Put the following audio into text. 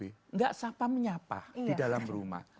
tidak sapa menyapa di dalam rumah